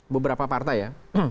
beberapa partai ya